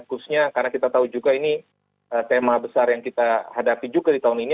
khususnya karena kita tahu juga ini tema besar yang kita hadapi juga di tahun ini